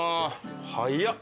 早っ！